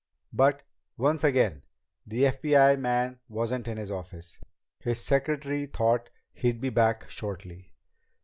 But, once again, the FBI man wasn't in his office. His secretary thought he'd be back shortly.